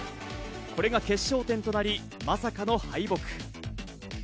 これが決勝点となり、まさかの敗北。